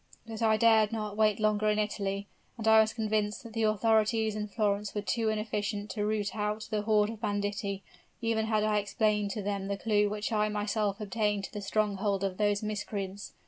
But I dare not wait longer in Italy; and I was convinced that the authorities in Florence were too inefficient to root out the horde of banditti, even had I explained to them the clew which I myself obtained to the stronghold of those miscreants.